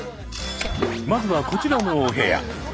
まずはこちらのお部屋。